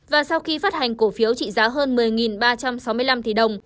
và sau khi phát hành cổ phiếu trị giá hơn một mươi ba trăm sáu mươi năm tỷ đồng